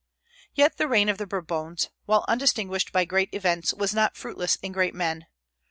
Yet the reign of the Bourbons, while undistinguished by great events, was not fruitless in great men.